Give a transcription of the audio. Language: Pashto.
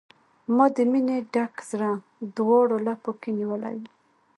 ما د مینې ډک زړه، دواړو لپو کې نیولی و